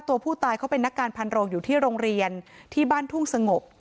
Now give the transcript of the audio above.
ตัวผู้ตายเขาเป็นนักการพันโรงอยู่ที่โรงเรียนที่บ้านทุ่งสงบ